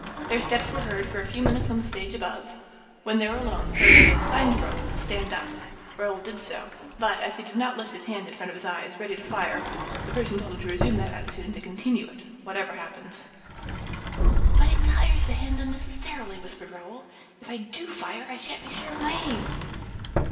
Their steps were heard for a few minutes on the stage above. When they were alone the Persian made a sign to Raoul to stand up. Raoul did so; but, as he did not lift his hand in front of his eyes, ready to fire, the Persian told him to resume that attitude and to continue it, whatever happened. "But it tires the hand unnecessarily," whispered Raoul. "If I do fire, I shan't be sure of my aim."